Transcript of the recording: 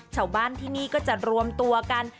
ชาวบ้านที่นี่ก็จะรวมตัวกัน